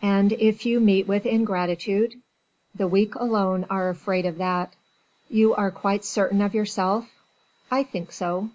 "And if you meet with ingratitude?" "The weak alone are afraid of that." "You are quite certain of yourself?" "I think so."